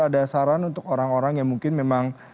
ada saran untuk orang orang yang mungkin memang